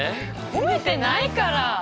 褒めてないから！